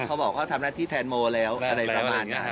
เขาบอกเขาทำหน้าที่แทนโมแล้วอะไรประมาณนี้